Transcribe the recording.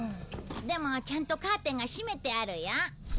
でもちゃんとカーテンが閉めてあるよ。